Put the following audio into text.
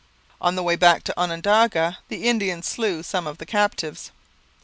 On the way back to Onondaga the Indians slew some of the captives.